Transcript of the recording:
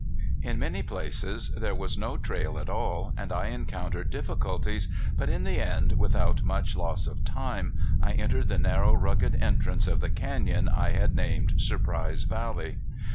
In many places there was no trail at all, and I encountered difficulties, but in the end without much loss of time I entered the narrow rugged entrance of the canyon I had named Surprise Valley.